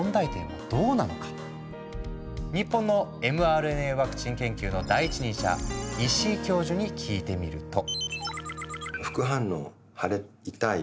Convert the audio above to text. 日本のｍＲＮＡワクチン研究の第一人者石井教授に聞いてみると。